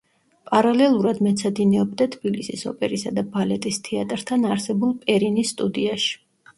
პარალელურად მეცადინეობდა თბილისის ოპერისა და ბალეტის თეატრთან არსებულ პერინის სტუდიაში.